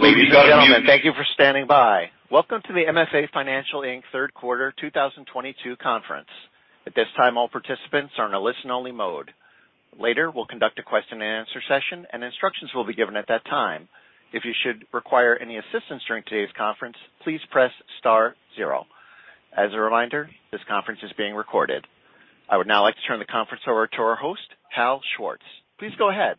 Ladies and gentlemen, thank you for standing by. Welcome to the MFA Financial, Inc. third quarter 2022 conference. At this time, all participants are in a listen-only mode. Later, we'll conduct a question-and-answer session, and instructions will be given at that time. If you should require any assistance during today's conference, please press star zero. As a reminder, this conference is being recorded. I would now like to turn the conference over to our host, Harold E. Schwartz. Please go ahead.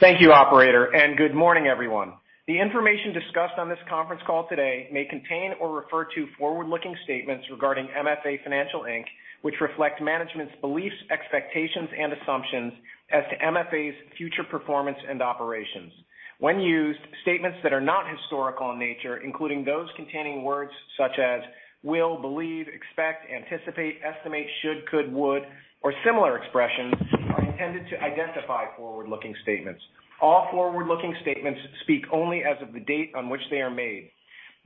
Thank you, operator, and good morning, everyone. The information discussed on this conference call today may contain or refer to forward-looking statements regarding MFA Financial, Inc., which reflect management's beliefs, expectations, and assumptions as to MFA's future performance and operations. When used, statements that are not historical in nature, including those containing words such as will, believe, expect, anticipate, estimate, should, could, would, or similar expressions, are intended to identify forward-looking statements. All forward-looking statements speak only as of the date on which they are made.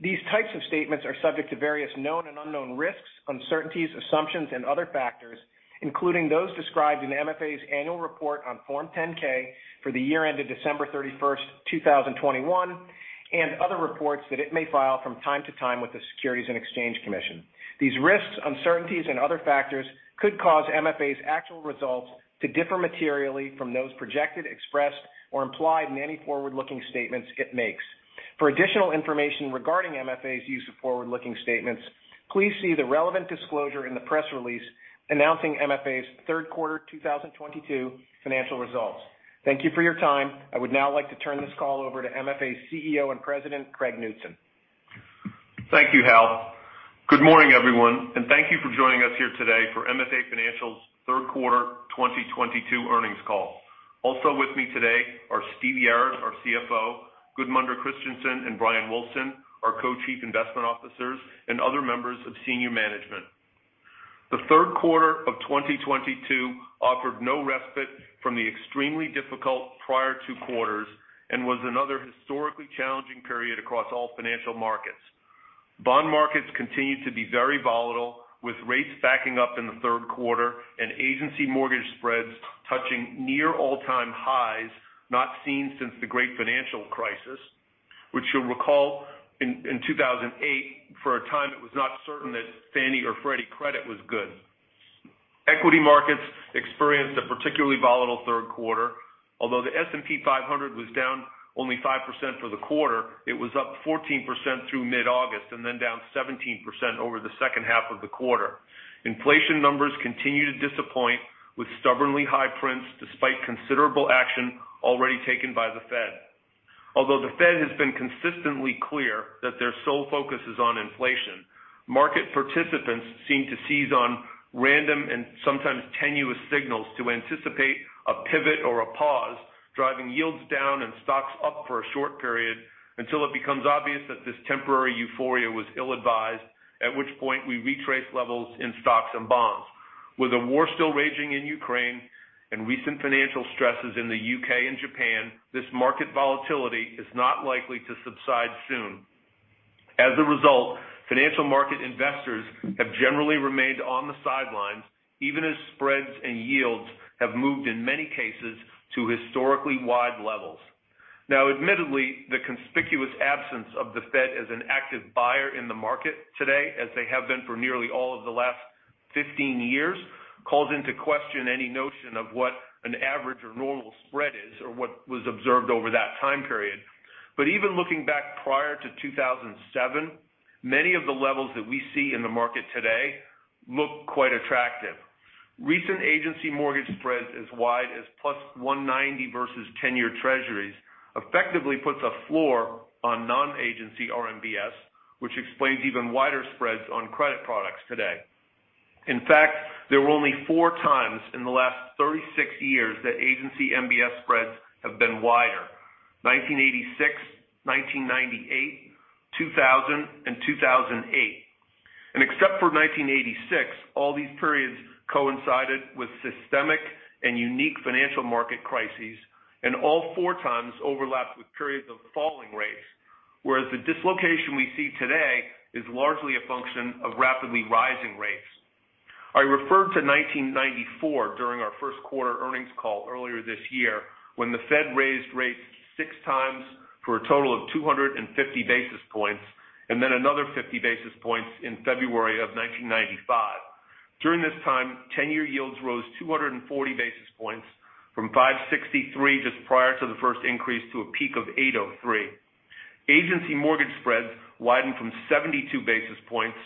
These types of statements are subject to various known and unknown risks, uncertainties, assumptions, and other factors, including those described in MFA's annual report on Form 10-K for the year ended December 31st, 2021, and other reports that it may file from time to time with the Securities and Exchange Commission. These risks, uncertainties, and other factors could cause MFA's actual results to differ materially from those projected, expressed, or implied in any forward-looking statements it makes. For additional information regarding MFA's use of forward-looking statements, please see the relevant disclosure in the press release announcing MFA's third quarter 2022 financial results. Thank you for your time. I would now like to turn this call over to MFA's CEO and President, Craig Knutson. Thank you, Hal. Good morning, everyone, and thank you for joining us here today for MFA Financial's third quarter 2022 earnings call. Also with me today are Stephen Yarad, our CFO, Gudmundur Kristjansson and Bryan Wulfsohn, our Co-Chief Investment Officers, and other members of senior management. The third quarter of 2022 offered no respite from the extremely difficult prior two quarters and was another historically challenging period across all financial markets. Bond markets continued to be very volatile, with rates backing up in the third quarter and agency mortgage spreads touching near all-time highs not seen since the great financial crisis, which you'll recall in 2008, for a time it was not certain that Fannie or Freddie credit was good. Equity markets experienced a particularly volatile third quarter. Although the S&P 500 was down only 5% for the quarter, it was up 14% through mid-August and then down 17% over the second half of the quarter. Inflation numbers continue to disappoint with stubbornly high prints despite considerable action already taken by the Fed. Although the Fed has been consistently clear that their sole focus is on inflation, market participants seem to seize on random and sometimes tenuous signals to anticipate a pivot or a pause, driving yields down and stocks up for a short period until it becomes obvious that this temporary euphoria was ill-advised, at which point we retrace levels in stocks and bonds. With the war still raging in Ukraine and recent financial stresses in the U.K. and Japan, this market volatility is not likely to subside soon. As a result, financial market investors have generally remained on the sidelines, even as spreads and yields have moved in many cases to historically wide levels. Now, admittedly, the conspicuous absence of the Fed as an active buyer in the market today, as they have been for nearly all of the last 15 years, calls into question any notion of what an average or normal spread is or what was observed over that time period. Even looking back prior to 2007, many of the levels that we see in the market today look quite attractive. Recent agency mortgage spreads as wide as plus 190 versus 10-year Treasuries effectively puts a floor on non-agency RMBS, which explains even wider spreads on credit products today. In fact, there were only four times in the last 36 years that Agency MBS spreads have been wider, 1986, 1998, 2000 and 2008. Except for 1986, all these periods coincided with systemic and unique financial market crises, and all four times overlapped with periods of falling rates. Whereas the dislocation we see today is largely a function of rapidly rising rates. I referred to 1994 during our first quarter earnings call earlier this year when the Fed raised rates six times for a total of 250 basis points and then another 50 basis points in February of 1995. During this time, ten year yields rose 240 basis points from 563 just prior to the first increase to a peak of 803. Agency mortgage spreads widened from 72 basis points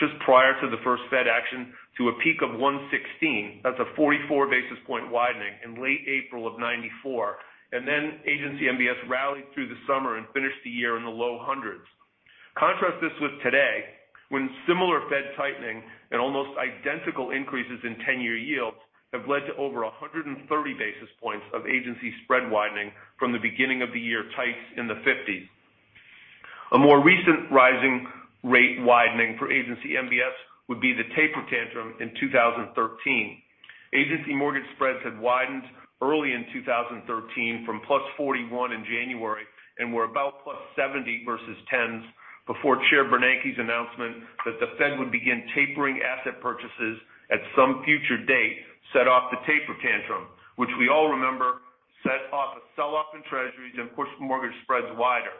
just prior to the first Fed action to a peak of 116. That's a 44 basis point widening in late April of 1994. Then agency MBS rallied through the summer and finished the year in the low hundreds. Contrast this with today when similar Fed tightening and almost identical increases in ten-year yields have led to over 130 basis points of agency spread widening from the beginning of the year tights in the 50s. A more recent rising rate widening for agency MBS would be the Taper Tantrum in 2013. Agency mortgage spreads had widened early in 2013 from +41 in January and were about +70 versus 10s. Before Chair Bernanke's announcement that the Fed would begin tapering asset purchases at some future date set off the Taper Tantrum, which we all remember set off a sell-off in Treasuries and pushed mortgage spreads wider.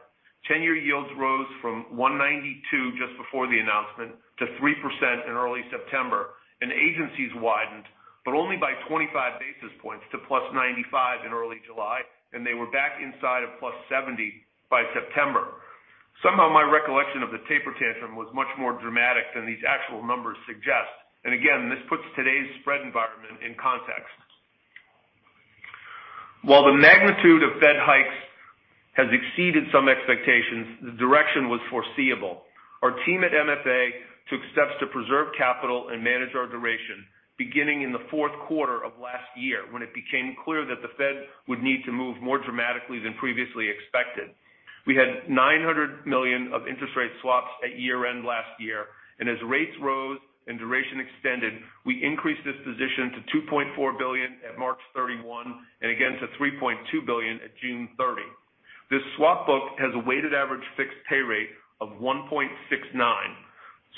10-year yields rose from 1.92% just before the announcement to 3% in early September, and agencies widened, but only by 25 basis points to +95 in early July, and they were back inside of +70 by September. Somehow, my recollection of the Taper Tantrum was much more dramatic than these actual numbers suggest. This puts today's spread environment in context. While the magnitude of Fed hikes has exceeded some expectations, the direction was foreseeable. Our team at MFA took steps to preserve capital and manage our duration beginning in the fourth quarter of last year when it became clear that the Fed would need to move more dramatically than previously expected. We had $900 million of interest rate swaps at year-end last year, and as rates rose and duration extended, we increased this position to $2.4 billion at March 31 and again to $3.2 billion at June 30. This swap book has a weighted average fixed pay rate of 1.69%.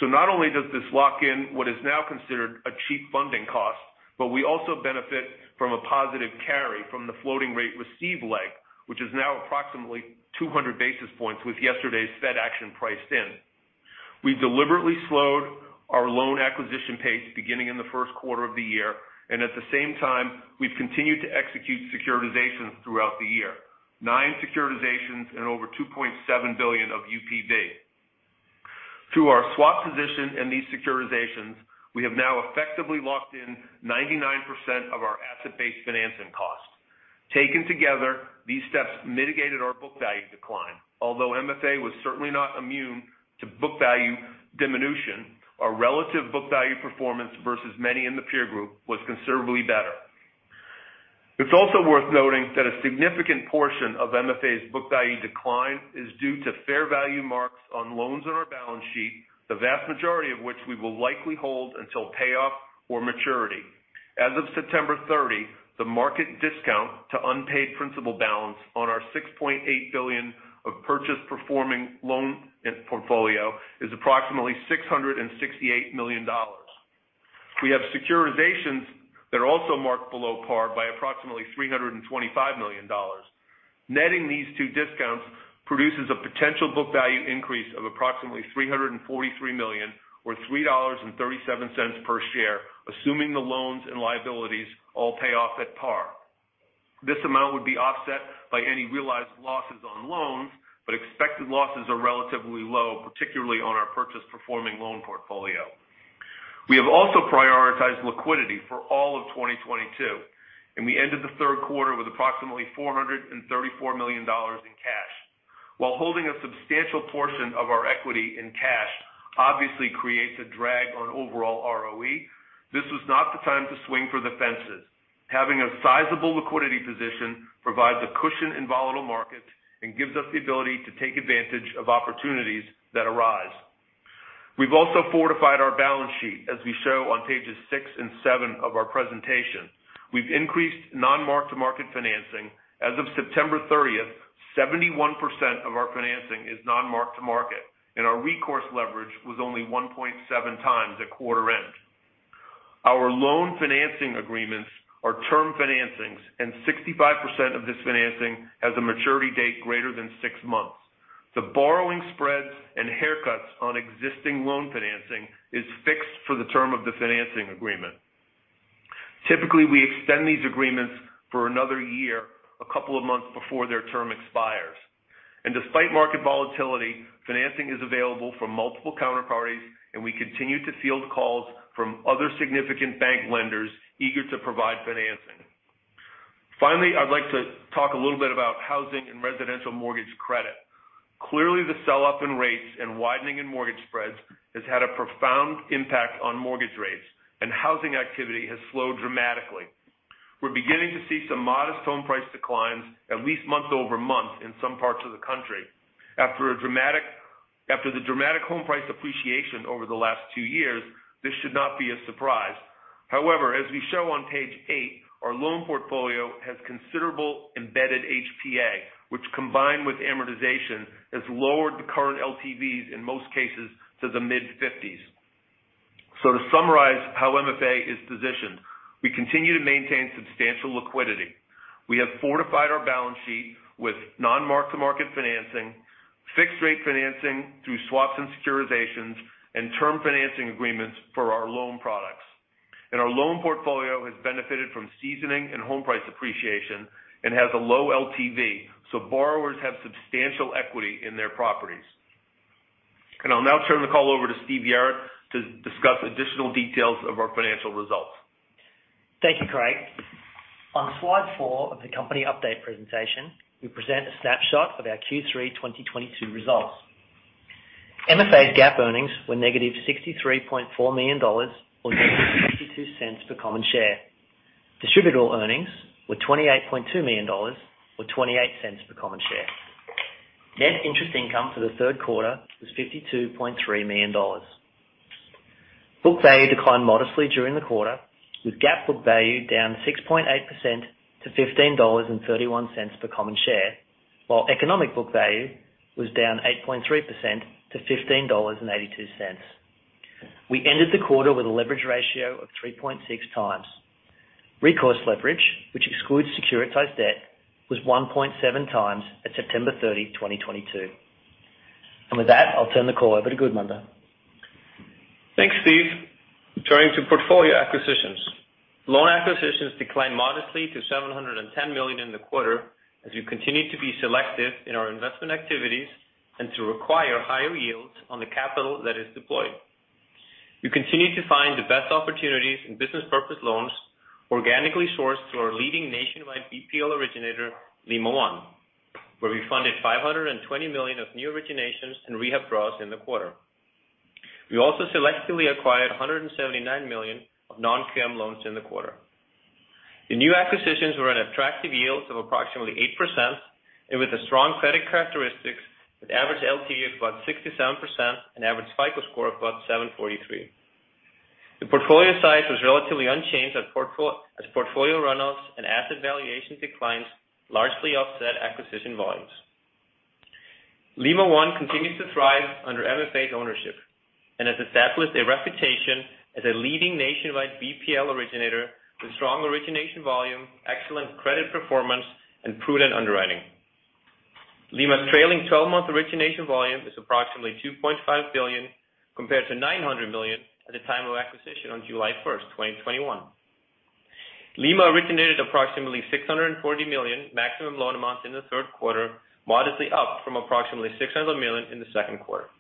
Not only does this lock in what is now considered a cheap funding cost, but we also benefit from a positive carry from the floating rate received leg, which is now approximately 200 basis points with yesterday's Fed action priced in. We deliberately slowed our loan acquisition pace beginning in the first quarter of the year, and at the same time, we've continued to execute securitizations throughout the year. Nine securitizations and over $2.7 billion of UPB. Through our swap position in these securitizations, we have now effectively locked in 99% of our asset-based financing costs. Taken together, these steps mitigated our book value decline. Although MFA was certainly not immune to book value diminution, our relative book value performance versus many in the peer group was considerably better. It's also worth noting that a significant portion of MFA's book value decline is due to fair value marks on loans on our balance sheet, the vast majority of which we will likely hold until payoff or maturity. As of September 30, the market discount to unpaid principal balance on our $6.8 billion of purchase performing loan portfolio is approximately $668 million. We have securitizations that are also marked below par by approximately $325 million. Netting these two discounts produces a potential book value increase of approximately $343 million or $3.37 per share, assuming the loans and liabilities all pay off at par. This amount would be offset by any realized losses on loans, but expected losses are relatively low, particularly on our purchase performing loan portfolio. We have also prioritized liquidity for all of 2022, and we ended the third quarter with approximately $434 million in cash. While holding a substantial portion of our equity in cash obviously creates a drag on overall ROE, this was not the time to swing for the fences. Having a sizable liquidity position provides a cushion in volatile markets and gives us the ability to take advantage of opportunities that arise. We've also fortified our balance sheet, as we show on pages 6 and 7 of our presentation. We've increased non-mark-to-market financing. As of September 30, 71% of our financing is non-mark-to-market, and our recourse leverage was only 1.7 times at quarter end. Our loan financing agreements are term financings, and 65% of this financing has a maturity date greater than 6 months. The borrowing spreads and haircuts on existing loan financing is fixed for the term of the financing agreement. Typically, we extend these agreements for another year, a couple of months before their term expires. Despite market volatility, financing is available from multiple counterparties, and we continue to field calls from other significant bank lenders eager to provide financing. Finally, I'd like to talk a little bit about housing and residential mortgage credit. Clearly, the sell-off in rates and widening in mortgage spreads has had a profound impact on mortgage rates, and housing activity has slowed dramatically. We're beginning to see some modest home price declines, at least month-over-month in some parts of the country. After the dramatic home price appreciation over the last two years, this should not be a surprise. However, as we show on page 8, our loan portfolio has considerable embedded HPA, which combined with amortization, has lowered the current LTVs in most cases to the mid-50s. To summarize how MFA is positioned, we continue to maintain substantial liquidity. We have fortified our balance sheet with non-mark-to-market financing, fixed rate financing through swaps and securitizations, and term financing agreements for our loan products. Our loan portfolio has benefited from seasoning and home price appreciation and has a low LTV, so borrowers have substantial equity in their properties. I'll now turn the call over to Steve Yarad to discuss additional details of our financial results. Thank you, Craig. On slide four of the company update presentation, we present a snapshot of our Q3 2022 results. MFA's GAAP earnings were -$63.4 million or -$0.62 per common share. Distributable earnings were $28.2 million or $0.28 per common share. Net interest income for the third quarter was $52.3 million. Book value declined modestly during the quarter, with GAAP book value down 6.8% to $15.31 per common share, while economic book value was down 8.3% to $15.82. We ended the quarter with a leverage ratio of 3.6x. Recourse leverage, which excludes securitized debt, was 1.7x at September 30, 2022. With that, I'll turn the call over to Gudmundur. Thanks, Steve. Turning to portfolio acquisitions. Loan acquisitions declined modestly to $710 million in the quarter as we continue to be selective in our investment activities and to require higher yields on the capital that is deployed. We continue to find the best opportunities in business purpose loans organically sourced through our leading nationwide BPL originator, Lima One, where we funded $520 million of new originations and rehab draws in the quarter. We also selectively acquired $179 million of non-QM loans in the quarter. The new acquisitions were at attractive yields of approximately 8% and with the strong credit characteristics with average LTV of about 67% and average FICO score of about 743. The portfolio size was relatively unchanged as portfolio runoffs and asset valuation declines largely offset acquisition volumes. Lima One continues to thrive under MFA's ownership and has established a reputation as a leading nationwide BPL originator with strong origination volume, excellent credit performance, and prudent underwriting. Lima's trailing twelve-month origination volume is approximately $2.5 billion, compared to $900 million at the time of acquisition on July 1, 2021. Lima originated approximately $640 million maximum loan amounts in the third quarter, modestly up from approximately $600 million in the second quarter.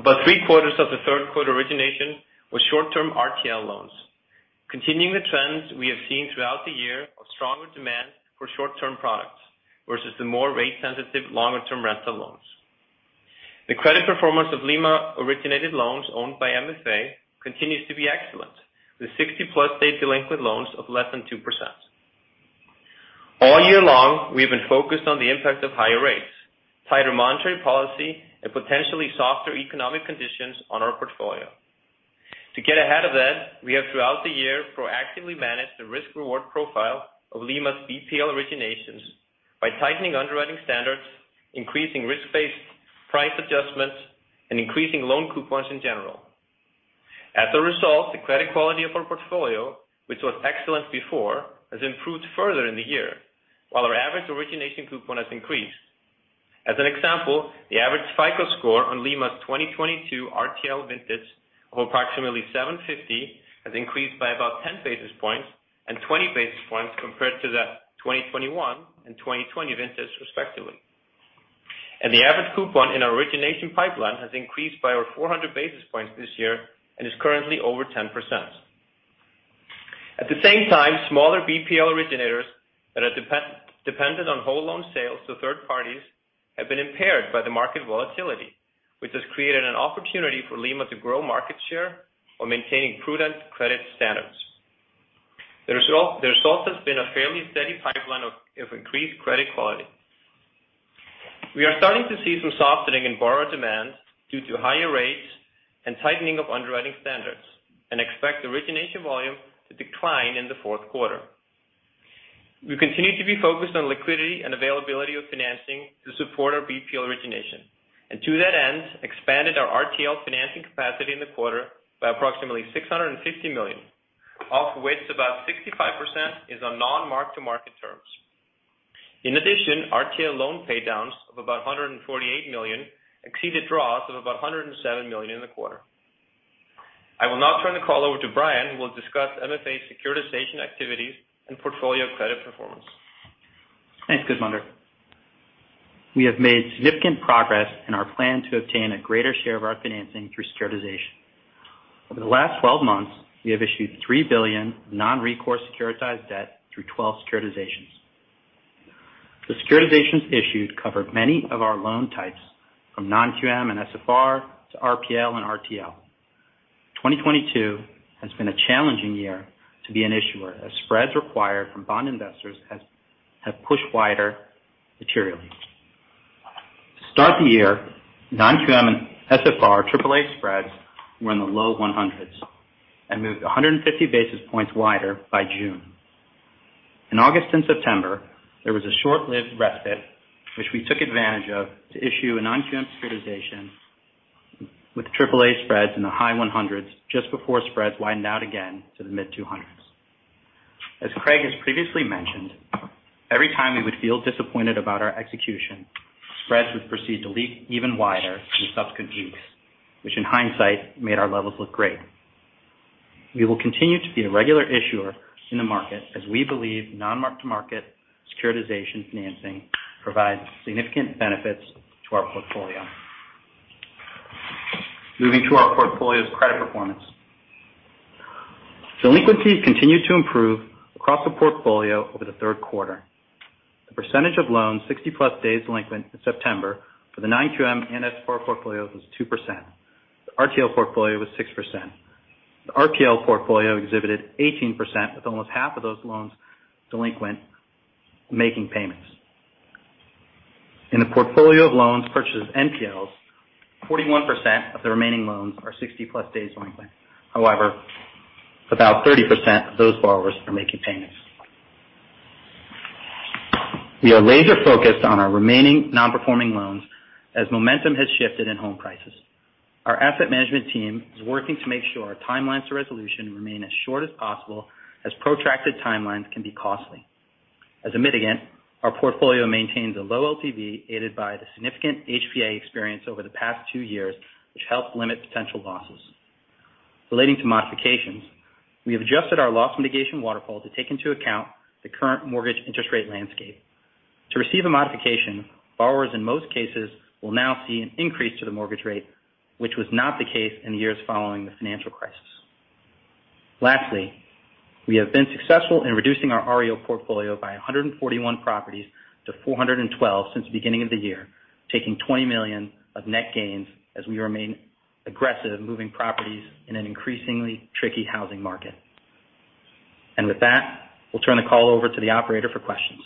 About three quarters of the third quarter origination was short-term RTL loans. Continuing the trends we have seen throughout the year of stronger demand for short-term products versus the more rate sensitive longer-term rental loans. The credit performance of Lima-originated loans owned by MFA continues to be excellent, with 60+ day delinquent loans of less than 2%. All year long, we have been focused on the impact of higher rates, tighter monetary policy, and potentially softer economic conditions on our portfolio. To get ahead of that, we have throughout the year proactively managed the risk-reward profile of Lima's BPL originations by tightening underwriting standards, increasing risk-based price adjustments, and increasing loan coupons in general. As a result, the credit quality of our portfolio, which was excellent before, has improved further in the year, while our average origination coupon has increased. As an example, the average FICO score on Lima's 2022 RTL vintages of approximately 750 has increased by about 10 basis points and 20 basis points compared to the 2021 and 2020 vintages respectively. The average coupon in our origination pipeline has increased by over 400 basis points this year and is currently over 10%. At the same time, smaller BPL originators that are dependent on whole loan sales to third parties have been impaired by the market volatility, which has created an opportunity for Lima to grow market share while maintaining prudent credit standards. The result has been a fairly steady pipeline of increased credit quality. We are starting to see some softening in borrower demand due to higher rates and tightening of underwriting standards and expect origination volume to decline in the fourth quarter. We continue to be focused on liquidity and availability of financing to support our BPL origination, and to that end, expanded our RTL financing capacity in the quarter by approximately $650 million, of which about 65% is on non-mark-to-market terms. In addition, RTL loan paydowns of about $148 million exceeded draws of about $107 million in the quarter. I will now turn the call over to Bryan, who will discuss MFA's securitization activities and portfolio credit performance. Thanks, Gudmundur. We have made significant progress in our plan to obtain a greater share of our financing through securitization. Over the last 12 months, we have issued $3 billion non-recourse securitized debt through 12 securitizations. The securitizations issued covered many of our loan types, from non-QM and SFR to RPL and RTL. 2022 has been a challenging year to be an issuer as spreads required from bond investors have pushed wider materially. To start the year, non-QM and SFR AAA spreads were in the low 100s and moved 150 basis points wider by June. In August and September, there was a short-lived respite which we took advantage of to issue a non-QM securitization with AAA spreads in the high 100s just before spreads widened out again to the mid 200s. As Craig has previously mentioned, every time we would feel disappointed about our execution, spreads would proceed to leap even wider in subsequent weeks, which in hindsight made our levels look great. We will continue to be a regular issuer in the market as we believe non-mark-to-market securitization financing provides significant benefits to our portfolio. Moving to our portfolio's credit performance. Delinquencies continued to improve across the portfolio over the third quarter. The percentage of loans 60+ days delinquent in September for the non-QM and SFR portfolios was 2%. The RTL portfolio was 6%. The RPL portfolio exhibited 18%, with almost half of those loans delinquent making payments. In the portfolio of loans purchased NPLs, 41% of the remaining loans are 60+ days delinquent. However, about 30% of those borrowers are making payments. We are laser focused on our remaining non-performing loans as momentum has shifted in home prices. Our asset management team is working to make sure our timelines to resolution remain as short as possible as protracted timelines can be costly. As a mitigant, our portfolio maintains a low LTV, aided by the significant HPA experienced over the past two years, which helped limit potential losses. Relating to modifications, we have adjusted our loss mitigation waterfall to take into account the current mortgage interest rate landscape. To receive a modification, borrowers in most cases will now see an increase to the mortgage rate, which was not the case in the years following the financial crisis. Lastly, we have been successful in reducing our REO portfolio by 141 properties to 412 since the beginning of the year, taking $20 million of net gains as we remain aggressive moving properties in an increasingly tricky housing market. With that, we'll turn the call over to the operator for questions.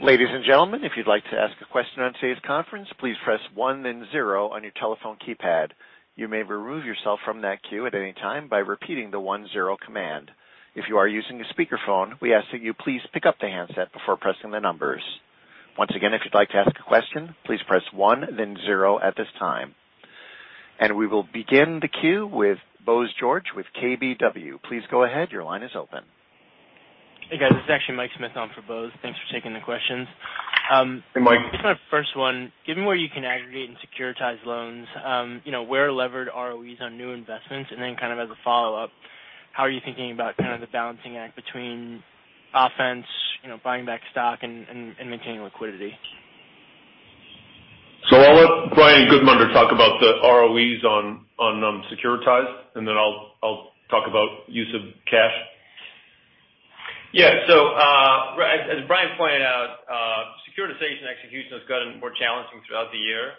Ladies and gentlemen, if you'd like to ask a question on today's conference, please press one then zero on your telephone keypad. You may remove yourself from that queue at any time by repeating the one-zero command. If you are using a speakerphone, we ask that you please pick up the handset before pressing the numbers. Once again, if you'd like to ask a question, please press one then zero at this time. We will begin the queue with Bose George with KBW. Please go ahead. Your line is open. Hey, guys. This is actually Michael Smyth on for Bose. Thanks for taking the questions. Hey, Mike. Just my first one. Given where you can aggregate and securitize loans, you know, where are levered ROEs on new investments? Kind of as a follow-up, how are you thinking about kind of the balancing act between offense, you know, buying back stock and maintaining liquidity? I'll let Gudmundur Kristjansson talk about the ROEs on securitizations, and then I'll talk about use of cash. As Bryan pointed out, securitization execution has gotten more challenging throughout the year.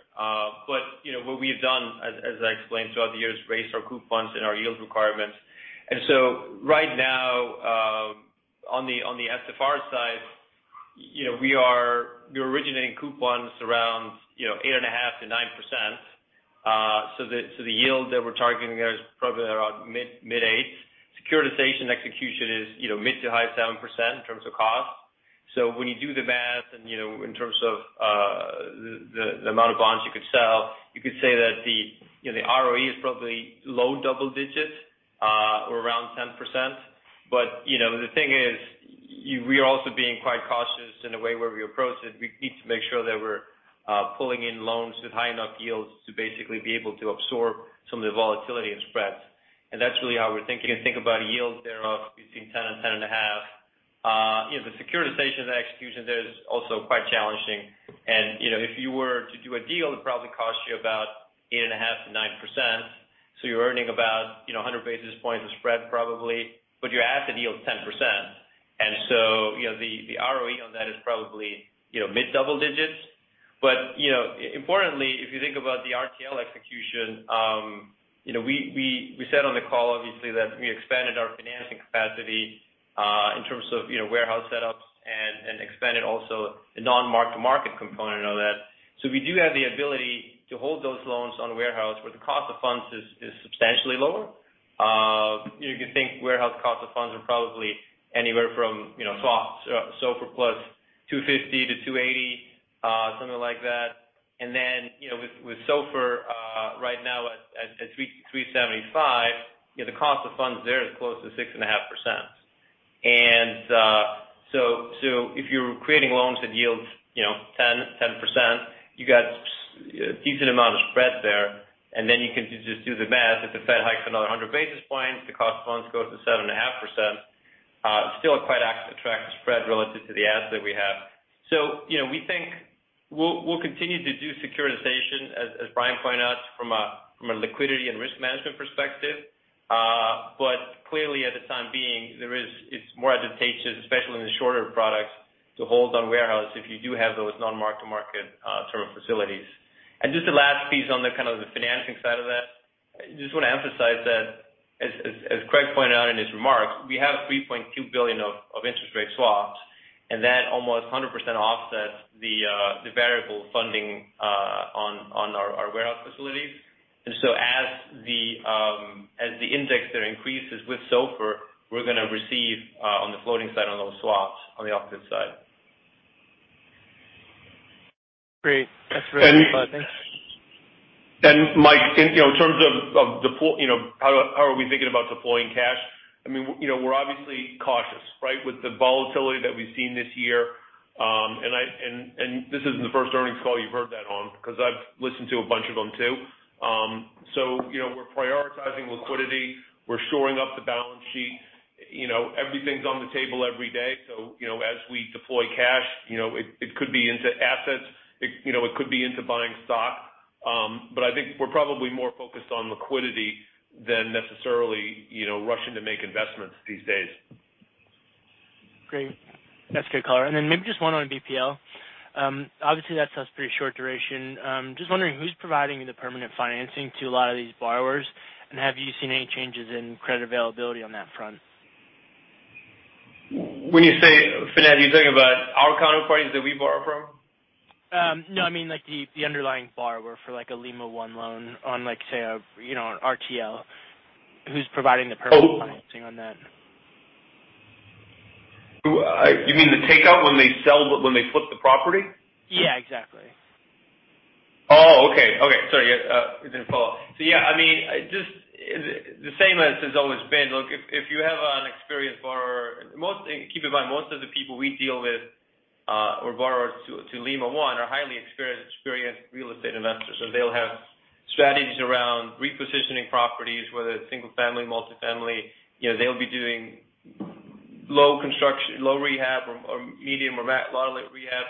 What we've done, as I explained throughout the year, is raise our coupons and our yield requirements. Right now, on the SFR side, you know, we're originating coupons around, you know, 8.5%-9%. The yield that we're targeting there is probably around mid-eights. Securitization execution is, you know, mid- to high 7% in terms of cost. When you do the math and, you know, in terms of the amount of bonds you could sell, you could say that, you know, the ROE is probably low double digits or around 10%. You know, the thing is we are also being quite cautious in the way where we approach it. We need to make sure that we're pulling in loans with high enough yields to basically be able to absorb some of the volatility and spreads. That's really how we're thinking about yields there of between 10%-10.5%. You know, the securitization execution there is also quite challenging. You know, if you were to do a deal, it'd probably cost you about 8.5%-9%. You're earning about, you know, 100 basis points of spread probably, but you have to yield 10%. You know, the ROE on that is probably, you know, mid double digits. Importantly, if you think about the RTL execution, you know, we said on the call obviously that we expanded our financing capacity in terms of warehouse setups and expanded also the non-mark-to-market component of that. So we do have the ability to hold those loans on warehouse where the cost of funds is substantially lower. You know, you can think warehouse cost of funds are probably anywhere from SOFR + 250 to 280, something like that. Then, you know, with SOFR right now at 3.75, you know, the cost of funds there is close to 6.5%. If you're creating loans that yield, you know, 10%, you got a decent amount of spread there, and then you can just do the math. If the Fed hikes another 100 basis points, the cost of loans go up to 7.5%, still quite attractive spread relative to the asset we have. We think we'll continue to do securitization, as Bryan pointed out, from a liquidity and risk management perspective. But clearly, for the time being, it's more advantageous, especially in the shorter products, to hold onto warehouse if you do have those non-mark-to-market term facilities. Just a last piece on the kind of the financing side of that. I just wanna emphasize that as Craig pointed out in his remarks, we have $3.2 billion of interest rate swaps, and that almost 100% offsets the variable funding on our warehouse facilities. As the index there increases with SOFR, we're gonna receive on the floating side on those swaps on the opposite side. Great. That's great. And- Thanks. Mike, in terms of deploying cash, how are we thinking about deploying cash? I mean, you know, we're obviously cautious, right, with the volatility that we've seen this year. This isn't the first earnings call you've heard that on, 'cause I've listened to a bunch of them too. You know, we're prioritizing liquidity. We're shoring up the balance sheet. You know, everything's on the table every day. You know, as we deploy cash, you know, it could be into assets. It could be into buying stock. But I think we're probably more focused on liquidity than necessarily, you know, rushing to make investments these days. Great. That's a good call. Maybe just one on BPL, obviously that's a pretty short duration. Just wondering who's providing the permanent financing to a lot of these borrowers, and have you seen any changes in credit availability on that front? When you say finance, are you talking about our counterparties that we borrow from? No, I mean, like, the underlying borrower for, like, a Lima One loan on, like, say a, you know, an RTL. Who's providing the permanent financing on that? You mean the takeout when they flip the property? Yeah, exactly. Oh, okay. Sorry, I didn't follow. Yeah, I mean, just the same as it's always been. Look, if you have an experienced borrower, most. Keep in mind, most of the people we deal with or borrowers to Lima One are highly experienced real estate investors. They'll have strategies around repositioning properties, whether it's single-family, multi-family. You know, they'll be doing low construction, low rehab or medium or high light rehab.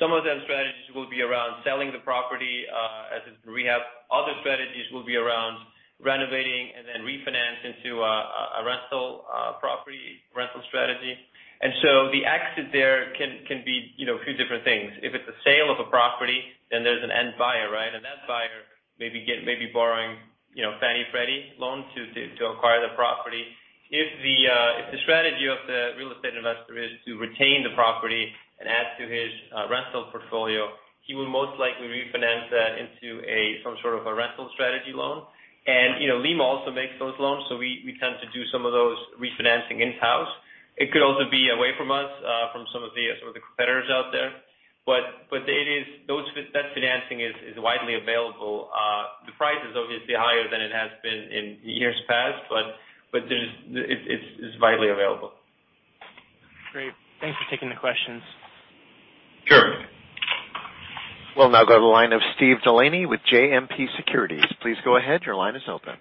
Some of their strategies will be around selling the property as a rehab. Other strategies will be around renovating and then refinance into a rental property rental strategy. The exit there can be, you know, a few different things. If it's a sale of a property, then there's an end buyer, right? That buyer may be borrowing, you know, Fannie Mae/Freddie Mac loans to acquire the property. If the strategy of the real estate investor is to retain the property and add to his rental portfolio, he will most likely refinance that into some sort of a rental strategy loan. You know, Lima also makes those loans, so we tend to do some of those refinancing in-house. It could also be away from us from some of the competitors out there. It is, that financing is widely available. The price is obviously higher than it has been in years past, but there's, it's widely available. Great. Thanks for taking the questions. Sure. We'll now go to the line of Steve Delaney with JMP Securities. Please go ahead. Your line is open.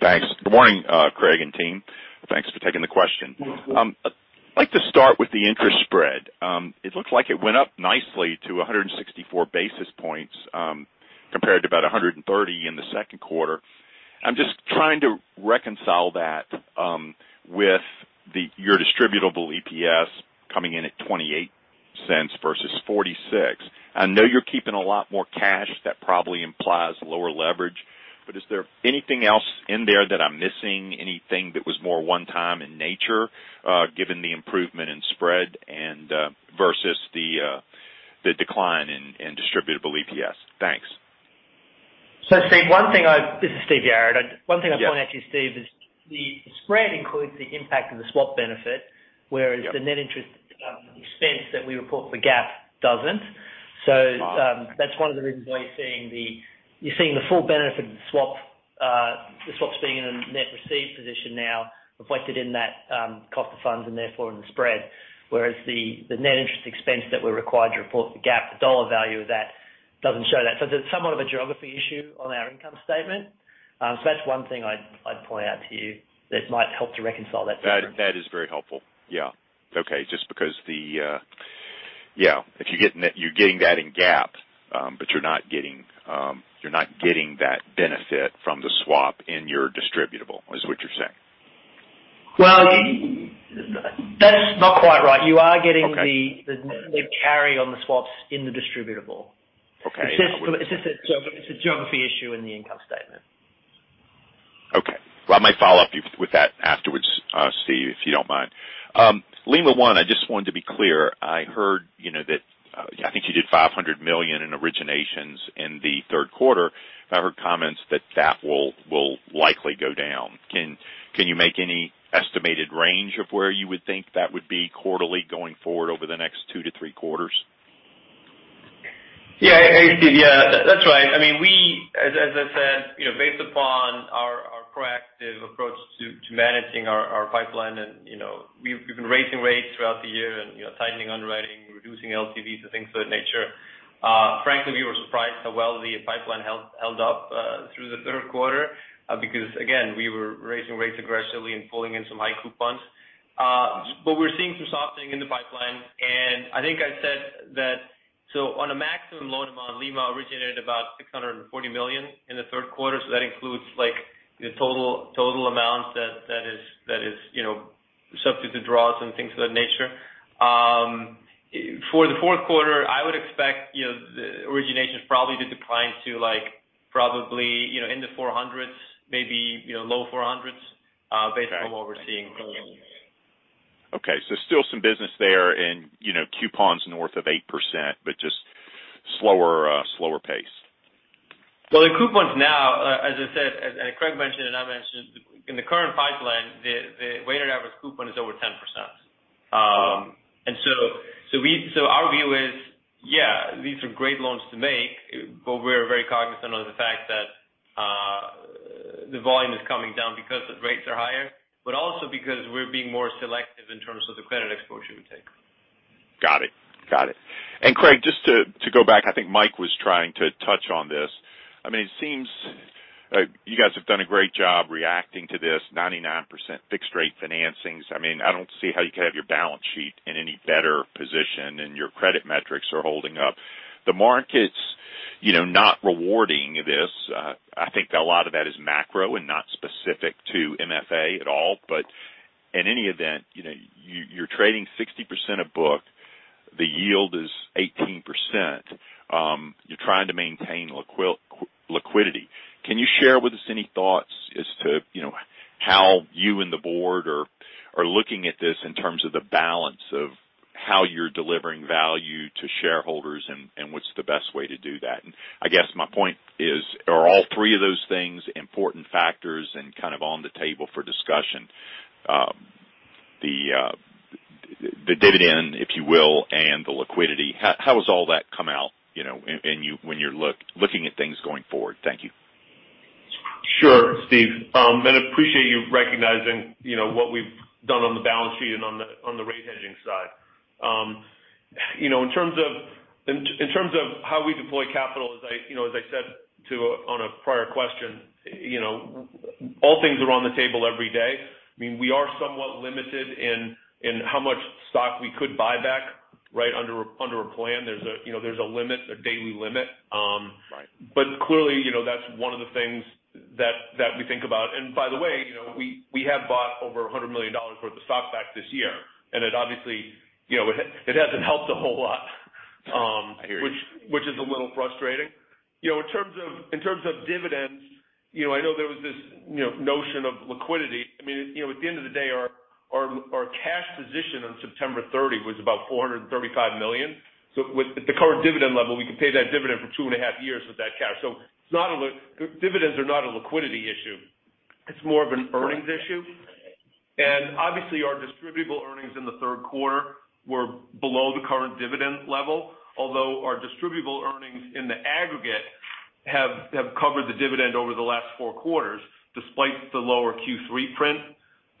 Thanks. Good morning, Craig and team. Thanks for taking the question. Mm-hmm. I'd like to start with the interest spread. It looks like it went up nicely to 164 basis points, compared to about 130 in the second quarter. I'm just trying to reconcile that with the, your distributable EPS coming in at $0.28 versus $0.46. I know you're keeping a lot more cash. That probably implies lower leverage. Is there anything else in there that I'm missing? Anything that was more one-time in nature, given the improvement in spread and versus the decline in distributable EPS? Thanks. This is Steve Yarad. One thing I'll point out to you, Steve, is the spread includes the impact of the swap benefit, whereas the net interest expense that we report for GAAP doesn't. That's one of the reasons why you're seeing the full benefit of the swap, the swaps being in a net received position now reflected in that cost of funds and therefore in the spread. Whereas the net interest expense that we're required to report for GAAP, the dollar value of that doesn't show that. There's somewhat of a geography issue on our income statement. That's one thing I'd point out to you that might help to reconcile that spread. That is very helpful. Yeah. Okay. Yeah, if you're getting that in GAAP, but you're not getting that benefit from the swap in your distributable, is what you're saying? Well, that's not quite right. Okay. You are getting the carry on the swaps in the distributable. Okay. It's just a geography issue in the income statement. Okay. Well, I might follow up with you with that afterwards, Steve, if you don't mind. Lima One, I just wanted to be clear. I heard, you know, that I think you did $500 million in originations in the third quarter. I've heard comments that that will likely go down. Can you make any estimated range of where you would think that would be quarterly going forward over the next 2-3 quarters? Yeah. Yeah, that's right. I mean, as I said, you know, based upon our proactive approach to managing our pipeline and, you know, we've been raising rates throughout the year and, you know, tightening underwriting, reducing LTVs and things of that nature. Frankly, we were surprised how well the pipeline held up through the third quarter, because again, we were raising rates aggressively and pulling in some high coupons. But we're seeing some softening in the pipeline. I think I said that. On a maximum loan amount, Lima originated about $640 million in the third quarter. That includes like the total amount that is, you know, subject to draws and things of that nature. For the fourth quarter, I would expect, you know, the originations probably to decline to, like, probably, you know, in the 400s, maybe, you know, low 400s, based on what we're seeing currently. Okay. Still some business there and, you know, coupons north of 8%, but just slower pace. Well, the coupons now, as I said, as Craig mentioned and I mentioned, in the current pipeline, the weighted average coupon is over 10%. Our view is, yeah, these are great loans to make, but we're very cognizant of the fact that the volume is coming down because the rates are higher, but also because we're being more selective in terms of the credit exposure we take. Got it. Craig, just to go back, I think Mike was trying to touch on this. I mean, it seems you guys have done a great job reacting to this 99% fixed rate financings. I mean, I don't see how you could have your balance sheet in any better position, and your credit metrics are holding up. The market's, you know, not rewarding this. I think that a lot of that is macro and not specific to MFA at all. In any event, you know, you're trading 60% of book. The yield is 18%. You're trying to maintain liquidity. Can you share with us any thoughts as to, you know, how you and the board are looking at this in terms of the balance of how you're delivering value to shareholders and what's the best way to do that? I guess my point is, are all three of those things important factors and kind of on the table for discussion? The dividend, if you will, and the liquidity, how does all that come out, you know, and when you're looking at things going forward? Thank you. Sure, Steve. I appreciate you recognizing, you know, what we've done on the balance sheet and on the rate hedging side. You know, in terms of how we deploy capital, as I said on a prior question, you know, all things are on the table every day. I mean, we are somewhat limited in how much stock we could buy back, right? Under a plan. There's a limit, a daily limit. Right. Clearly, you know, that's one of the things that we think about. By the way, you know, we have bought over $100 million worth of stock back this year. It obviously, you know, it hasn't helped a whole lot. I hear you. Which is a little frustrating. You know, in terms of dividends, you know, I know there was this, you know, notion of liquidity. I mean, you know, at the end of the day, our cash position on September 30 was about $435 million. With the current dividend level, we can pay that dividend for two and a half years with that cash. Dividends are not a liquidity issue. It's more of an earnings issue. Obviously, our distributable earnings in the third quarter were below the current dividend level. Although our distributable earnings in the aggregate have covered the dividend over the last four quarters, despite the lower Q3 print.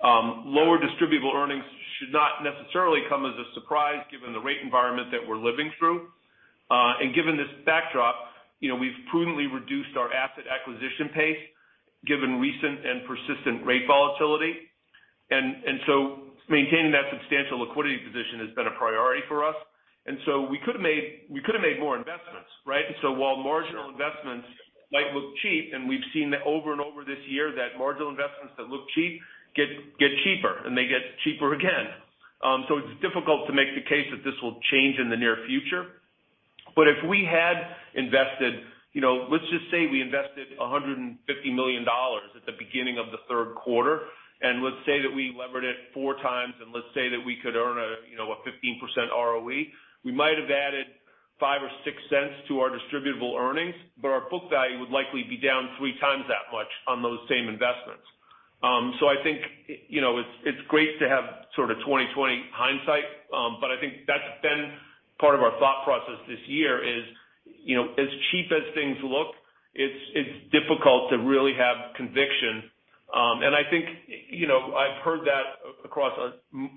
Lower distributable earnings should not necessarily come as a surprise given the rate environment that we're living through. Given this backdrop, you know, we've prudently reduced our asset acquisition pace given recent and persistent rate volatility. Maintaining that substantial liquidity position has been a priority for us. We could have made more investments, right? While marginal investments might look cheap, and we've seen over and over this year that marginal investments that look cheap get cheaper, and they get cheaper again. It's difficult to make the case that this will change in the near future. If we had invested, you know, let's just say we invested $150 million at the beginning of the third quarter, and let's say that we levered it 4x, and let's say that we could earn, you know, a 15% ROE, we might have added $0.05 or $0.06 to our distributable earnings, but our book value would likely be down 3 times that much on those same investments. I think, you know, it's great to have sort of 20/20 hindsight. I think that's been part of our thought process this year is, you know, as cheap as things look, it's difficult to really have conviction. I think, you know, I've heard that across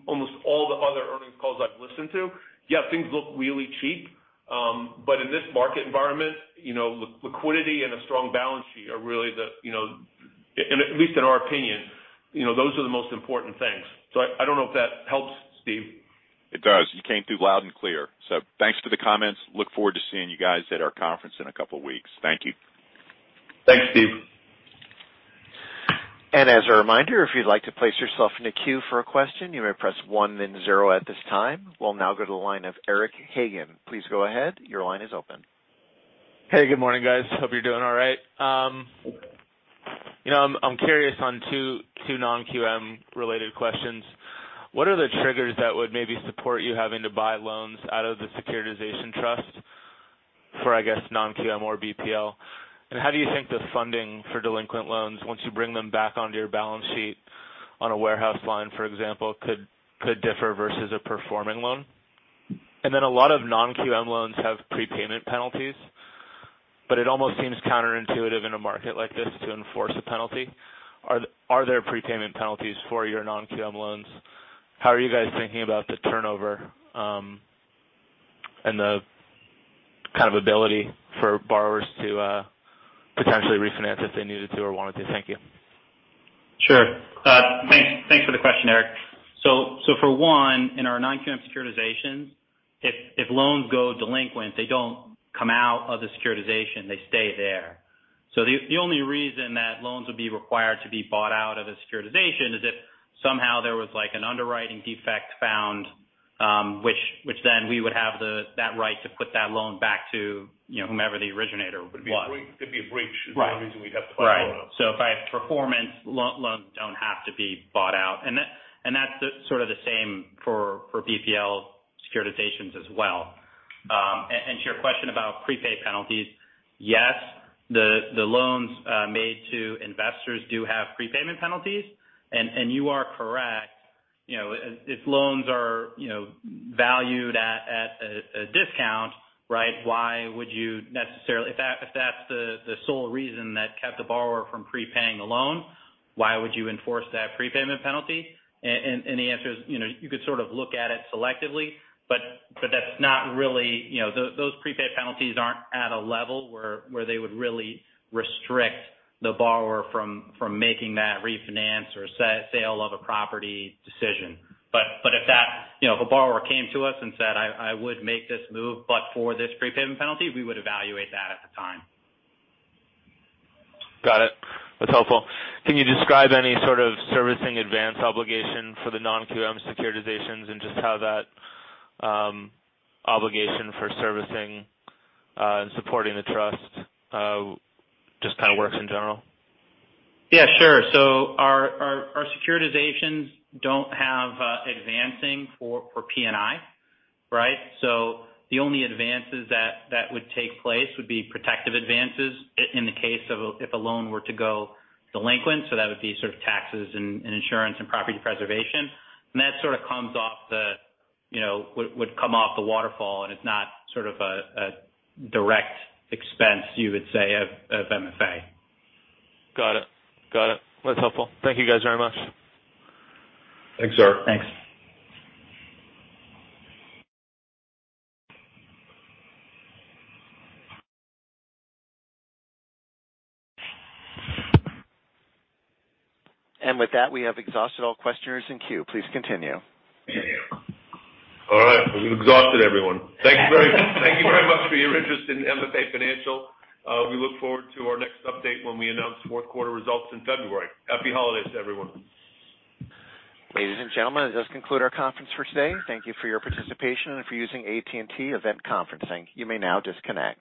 almost all the other earnings calls I've listened to. Yeah, things look really cheap. In this market environment, you know, liquidity and a strong balance sheet are really the most important things. At least in our opinion, you know, those are the most important things. I don't know if that helps, Steve. It does. You came through loud and clear. Thanks for the comments. Look forward to seeing you guys at our conference in a couple of weeks. Thank you. Thanks, Steve. As a reminder, if you'd like to place yourself in a queue for a question, you may press one then zero at this time. We'll now go to the line of Eric Hagen. Please go ahead. Your line is open. Hey, good morning, guys. Hope you're doing all right. You know, I'm curious on two non-QM related questions. What are the triggers that would maybe support you having to buy loans out of the securitization trust for, I guess, non-QM or BPL? And how do you think the funding for delinquent loans, once you bring them back onto your balance sheet on a warehouse line, for example, could differ versus a performing loan? And then a lot of non-QM loans have prepayment penalties, but it almost seems counterintuitive in a market like this to enforce a penalty. Are there prepayment penalties for your non-QM loans? How are you guys thinking about the turnover, and the kind of ability for borrowers to potentially refinance if they needed to or wanted to? Thank you. Sure. Thanks for the question, Eric. For one, in our non-QM securitizations, if loans go delinquent, they don't come out of the securitization. They stay there. The only reason that loans would be required to be bought out of a securitization is if somehow there was like an underwriting defect found, which then we would have the right to put that loan back to, you know, whomever the originator was. Could be a breach. Right. Could be a breach is the only reason we'd have to buy the loan out. Right. If I have performing loans don't have to be bought out. That's sort of the same for BPL securitizations as well. To your question about prepayment penalties, yes, the loans made to investors do have prepayment penalties. You are correct, you know, if loans are, you know, valued at a discount, right? Why would you necessarily. If that's the sole reason that kept the borrower from prepaying the loan, why would you enforce that prepayment penalty? The answer is, you know, you could sort of look at it selectively, but that's not really, you know. Those prepayment penalties aren't at a level where they would really restrict the borrower from making that refinance or sale of a property decision. If that, you know, if a borrower came to us and said, "I would make this move, but for this prepayment penalty," we would evaluate that at the time. Got it. That's helpful. Can you describe any sort of servicing advance obligation for the non-QM securitizations and just how that obligation for servicing and supporting the trust just kind of works in general? Yeah, sure. Our securitizations don't have advancing for P&I, right? The only advances that would take place would be protective advances in the case of a loan were to go delinquent. That would be sort of taxes and insurance and property preservation. That sort of, you know, would come off the waterfall, and it's not sort of a direct expense you would say of MFA. Got it. That's helpful. Thank you, guys, very much. Thanks, Eric. Thanks. With that, we have exhausted all questioners in queue. Please continue. All right. We've exhausted everyone. Thank you very much for your interest in MFA Financial. We look forward to our next update when we announce fourth quarter results in February. Happy holidays, everyone. Ladies and gentlemen, this concludes our conference for today. Thank you for your participation and for using AT&T Event Conferencing. You may now disconnect.